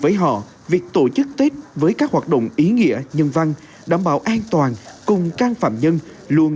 với họ việc tổ chức tết với các hoạt động ý nghĩa nhân văn đảm bảo an toàn cùng can phạm nhân luôn